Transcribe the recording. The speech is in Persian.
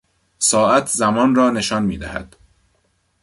ساعت زمان را نشان میدهد.